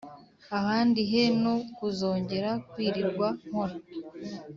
ahandi he no kuzongera kwirirwa nkora!